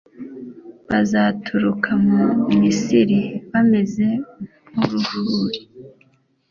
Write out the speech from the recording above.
Bazaturuka mu Misiri bameze nk’uruhuri,